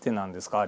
あれ。